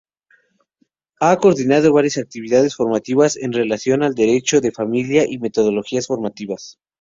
Ha coordinado varias actividades formativas en relación al derecho de familia y metodologías formativas.